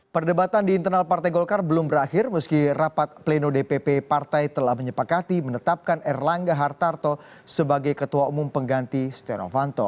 perdebatan di internal partai golkar belum berakhir meski rapat pleno dpp partai telah menyepakati menetapkan erlangga hartarto sebagai ketua umum pengganti stenovanto